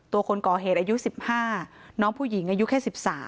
คนก่อเหตุอายุ๑๕น้องผู้หญิงอายุแค่๑๓